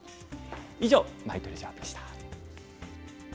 以上、マイトレジャーでした。